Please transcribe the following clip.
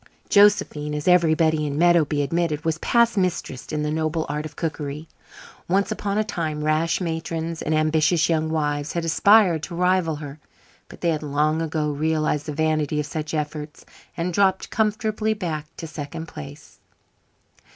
Josephine, as everybody in Meadowby admitted, was past mistress in the noble art of cookery. Once upon a time rash matrons and ambitious young wives had aspired to rival her, but they had long ago realised the vanity of such efforts and dropped comfortably back to second place.